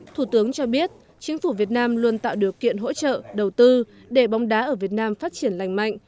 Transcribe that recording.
thủ tướng cho biết chính phủ việt nam luôn tạo điều kiện hỗ trợ đầu tư để bóng đá ở việt nam phát triển lành mạnh